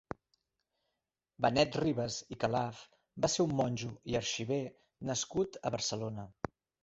Benet Ribas i Calaf va ser un monjo i arxiver nascut a Barcelona.